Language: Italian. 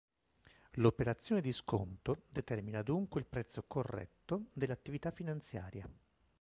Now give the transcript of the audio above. L'operazione di sconto determina dunque il prezzo "corretto" dell'attività finanziaria.